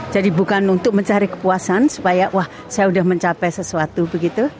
jadi bukan untuk mencari kepuasan supaya wah saya sudah mencapai sesuatu begitu